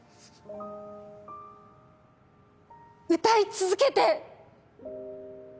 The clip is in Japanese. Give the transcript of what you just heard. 歌い続けて！